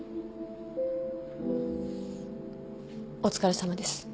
お疲れさまです。